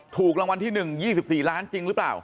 ถูกรางวัลที่๑๒๔ล้านจริงหรือเปล่า